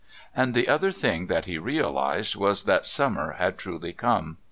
And the other thing that he realised was that summer had truly come.